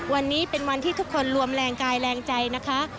วันนี้เป็นวันที่ทุกคนรวมแรงกายแรงใจนะคะ